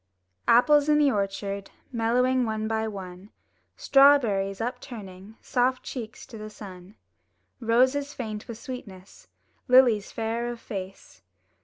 Apples in the orchard Mellowing one by one; Strawberries upturning Soft cheeks to the sun; Roses faint with sweetness. Lilies fair of face.